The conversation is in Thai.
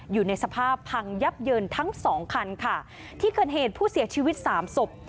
อยู่ในสภาพพังยับเยินทั้งสองคันค่ะที่เกิดเหตุผู้เสียชีวิตสามศพ